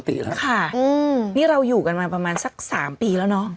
สองรอบสามเป็นเรื่องปกติแล้วค่ะอืมนี่เราอยู่กันมาประมาณสักสามปีแล้วน่ะ